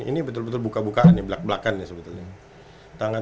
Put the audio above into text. ini betul betul buka bukaan ya belak belakan ya sebetulnya